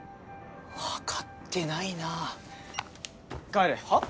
分かってないなぁ帰れはっ？